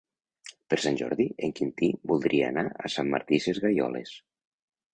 Per Sant Jordi en Quintí voldria anar a Sant Martí Sesgueioles.